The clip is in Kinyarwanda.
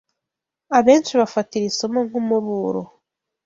Abenshi bafata iri somo nk’umuburo